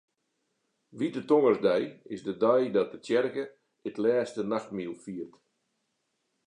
Wite Tongersdei is de dei dat de tsjerke it Lêste Nachtmiel fiert.